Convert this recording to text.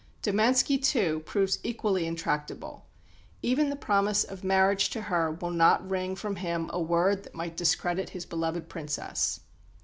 Domanski, too, proves equally intractable; even the promise of marriage to her will not wring from him a word that might discredit his beloved Princess.